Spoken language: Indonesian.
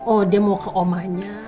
oh dia mau ke omanya